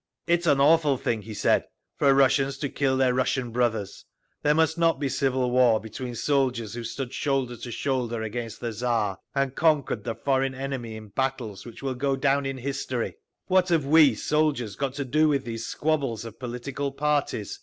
"It is an awful thing," he said, "for Russians to kill their Russian brothers. There must not be civil war between soldiers who stood shoulder to shoulder against the Tsar, and conquered the foreign enemy in battles which will go down in history! What have we, soldiers, got to do with these squabbles of political parties?